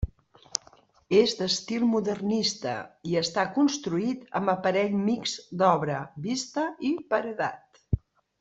És d'estil modernista i està construït amb aparell mixt d'obra vista i paredat.